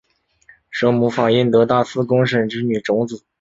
生母法印德大寺公审之女荣子。